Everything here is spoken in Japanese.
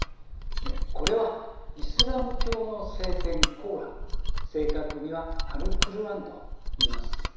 これはイスラム教の聖典コーラン正確には、アル・クルアーンと言います。